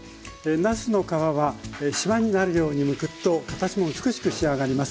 なすの皮はしまになるようにむくと形も美しく仕上がります。